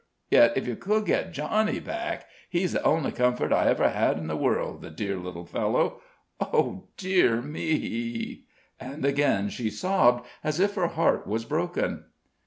Yet, if you could get Johnny back he's the only comfort I ever had in the world, the dear little fellow oh, dear me!" And again she sobbed as if her heart was broken.